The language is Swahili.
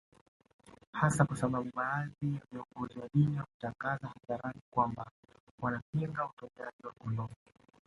Hasa kwa sababu baadhi ya viongozi wa dini wametangaza hadharani kwamba wanapinga utumiaji kondomu